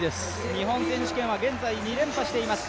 日本選手権は現在２連覇しています。